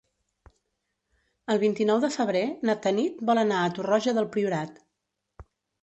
El vint-i-nou de febrer na Tanit vol anar a Torroja del Priorat.